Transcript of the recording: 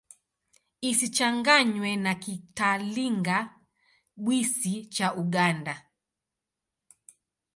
Isichanganywe na Kitalinga-Bwisi cha Uganda.